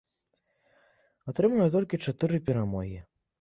Атрымана толькі чатыры перамогі.